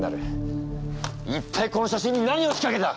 一体この写真に何をしかけた？